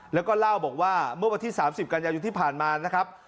แล้วก็เล่าบอกว่าเมื่อวันที่๓๐กันยายนที่ผ่านมานะครับ